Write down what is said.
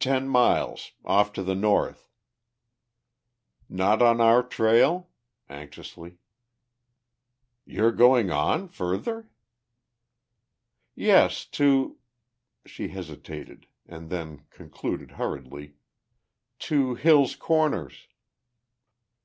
"Ten miles. Off to the north." "Not on our trail?" anxiously. "You're going on, further?" "Yes. To ..." she hesitated, and then concluded hurriedly, "To Hill's Corners."